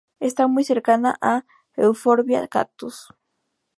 Está muy cercana a "Euphorbia cactus".